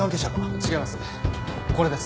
違います。